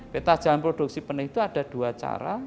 peta jalan produksi penuh itu ada dua cara